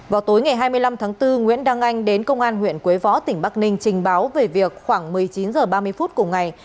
vào tối ngày hai mươi năm tháng bốn nguyễn đăng anh đến công an huyện quế võ tỉnh bắc ninh trình báo về việc khoảng một mươi chín h ba mươi phút cùng ngày